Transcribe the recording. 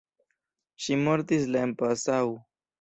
Ŝi mortis la en Passau.